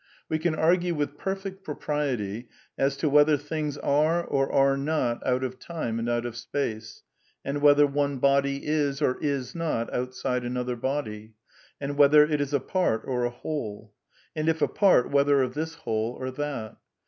We can argue with perfect pro priety as to whether things are or are not out of time and out of space; and whether one body is or is not outside another body ; and whether it is a part or a whole ; and if a part, whether of this whole or that.